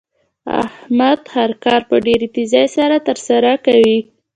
احمد هر کار په ډېرې تېزۍ سره تر سره کوي.